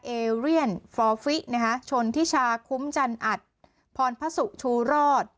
เอเรียนฟอร์ฟิชนทิชาคุ้มจันอัดพรพระสุชูรอด